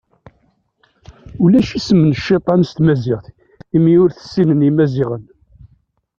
Ulac isem n cciṭan s tmaziɣt, imi ur t-ssinen Imaziɣen.